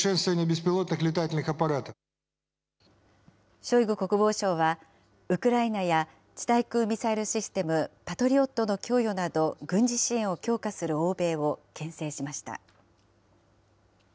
ショイグ国防相は、ウクライナや地対空ミサイルシステム、パトリオットの供与など、軍事支援を強化する欧米をけん制しました。